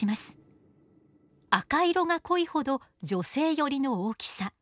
赤色が濃いほど女性寄りの大きさ。